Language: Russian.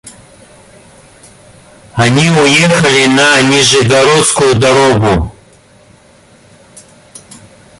Они уехали на Нижегородскую дорогу.